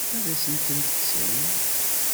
Ad asen-tent-kksen?